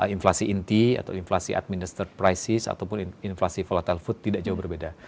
inflasi inti atau inflasi adminester crisis ataupun inflasi volatile food tidak jauh berbeda